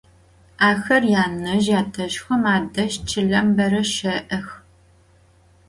Axer yanezj - yatezjxem adeji çılem bere şe'ex.